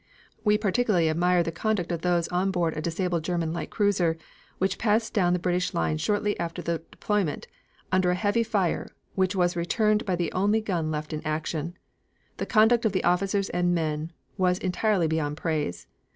We particularly admired the conduct of those on board a disabled German light cruiser which passed down the British line shortly after the deployment under a heavy fire, which was returned by the only gun left in action. The conduct of the officers and men war entirely beyond praise.